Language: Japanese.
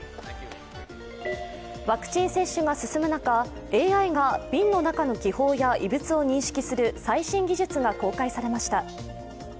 ワクチン接種が進む中、ＡＩが瓶の中の気泡や異物を認識する最新技術が公開されました。